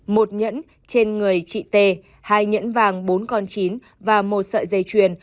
một nhẫn trên người chị t hai nhẫn vàng bốn con chín và một sợi dây chuyền